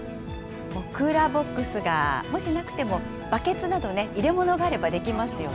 クーラーボックスがもしなくても、バケツなど、入れ物があればできますよね。